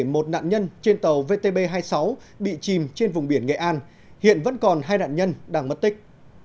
một nạn nhân trên tàu vtb hai mươi sáu bị chìm trên vùng biển nghệ an hiện vẫn còn hai nạn nhân đang mất tích